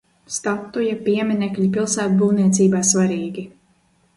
Statuja, pieminekļi pilsētbūvniecībā svarīgi.